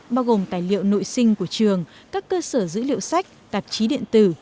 bao gồm tài liệu nội sinh của trường các cơ sở dữ liệu sách tạp chí điện tử